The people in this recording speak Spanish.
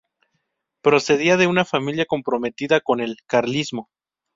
Procedía de una familia comprometida con el carlismo.